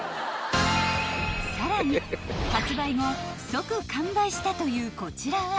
［さらに発売後即完売したというこちらは］